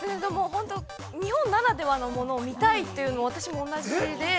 ◆日本ならではのものを見たいというのは私も同じで。